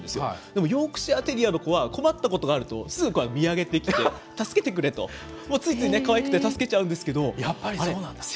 でもヨークシャーテリアの子は、困ったことがあるとすぐ見上げてきて、助けてくれと、ついついかわいくて助けちゃうんですけれどやっぱりそうなんですね。